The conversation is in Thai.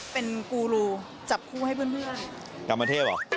เป็นกูโรว์จับคู่ให้เพื่อน